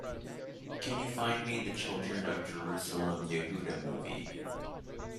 Can you find me the Children of Jerusalem: Yehuda movie?